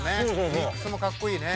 リミックスもかっこいいね。